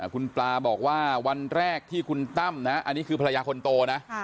คุณปลาบอกว่าวันแรกที่คุณตั้มนะอันนี้คือภรรยาคนโตนะ